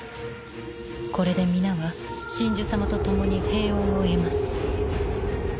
これで皆は神樹様と共に平穏を得ます。